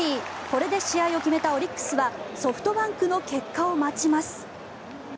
これで試合を決めたオリックスはソフトバンクの結果を待ちます。